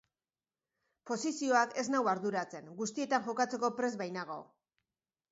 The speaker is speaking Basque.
Posizioak ez nau arduratzen, guztietan jokatzeko prest bainago.